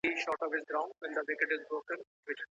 د هلکانو لیلیه په تصادفي ډول نه ټاکل کیږي.